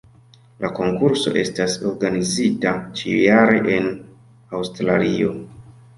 La konkurso estas organizita ĉiujare en Aŭstralio.